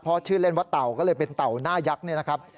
เพราะชื่อเล่นว่าเต่าก็เลยเป็นเต่าหน้ายักษ์เนี่ยนะครับ